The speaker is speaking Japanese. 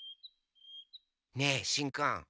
ねえしんくん